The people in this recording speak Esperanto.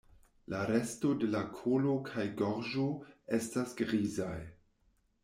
La resto de la kolo kaj gorĝo estas grizaj.